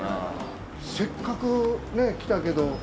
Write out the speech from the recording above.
せっかく来たけど。